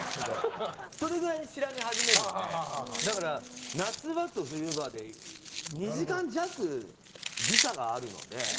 それくらいに白み始めるのでだから夏場と冬場で２時間弱、時差があるので。